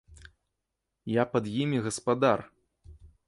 Я пад імі гаспадар!